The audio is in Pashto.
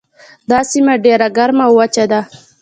دا سیمه ډیره ګرمه او وچه ده.